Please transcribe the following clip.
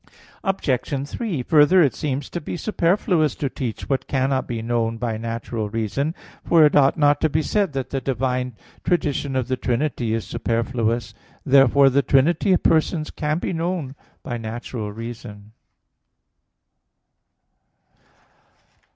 Obj. 3: Further, it seems to be superfluous to teach what cannot be known by natural reason. But it ought not to be said that the divine tradition of the Trinity is superfluous. Therefore the trinity of persons can be known by natural reason.